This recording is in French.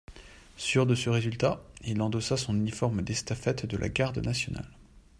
Sûr de ce résultat, il endossa son uniforme d'estafette de la garde nationale.